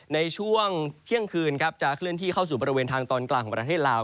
ในช่วงเที่ยงคืนครับจะเคลื่อนที่เข้าสู่บริเวณทางตอนกลางของประเทศลาว